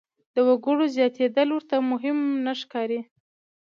د وګړو زیاتېدل ورته مهم نه ښکاري.